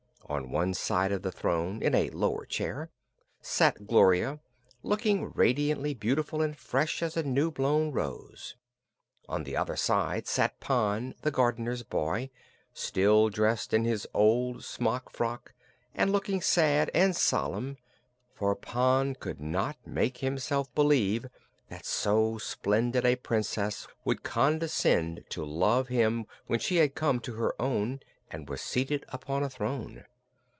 On one side of the throne, in a lower chair, sat Gloria, looking radiantly beautiful and fresh as a new blown rose. On the other side sat Pon, the gardener's boy, still dressed in his old smock frock and looking sad and solemn; for Pon could not make himself believe that so splendid a Princess would condescend to love him when she had come to her own and was seated upon a throne.